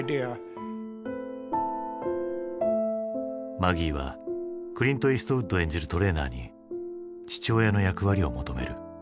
マギーはクリント・イーストウッド演じるトレーナーに父親の役割を求める。